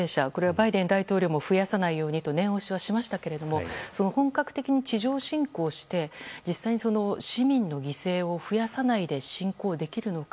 バイデン大統領も増やさないようにと念押しはしましたけれども本格的に地上侵攻して実際に市民の犠牲を増やさないで侵攻できるのか。